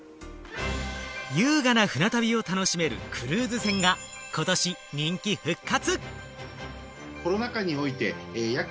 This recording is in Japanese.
優雅な船旅を楽しめるクルーズ船がことし人気復活！